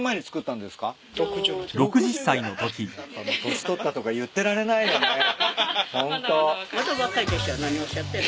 年取ったとか言ってられないよねホント。